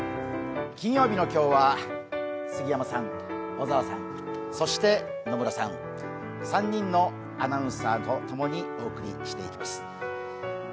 金曜日の今日は杉山さん、小沢さんそして野村さん、３人のアナウンサーと共にお送りしていきます。